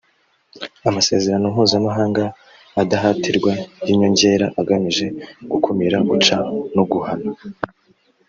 amasezerano mpuzamahanga adahatirwa y inyongera agamije gukumira guca no guhana